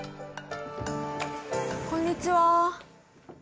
こんにちは。